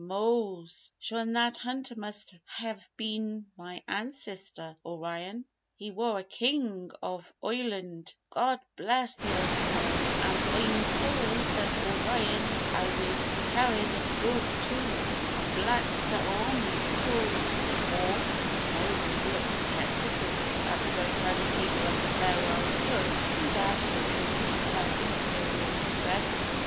"Mose, shure an' that hunter must hev been me ancistor O'ryan! He war a king ov Oireland, God bliss the old Sod! An' Oi'm tould that O'ryan alwiss carried a cloob too: a black t'horn cloob it war!" Moses looked sceptically at the rotund figure of the Farwell's cook and doubted the truth of her imperial descent.